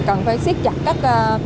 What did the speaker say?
cần phải siết chặt các